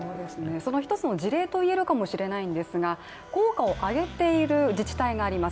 その一つの事例と言えるかもしれないんですが効果を上げている自治体があります。